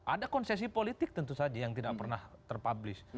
ada konsesi politik tentu saja yang tidak pernah terpublis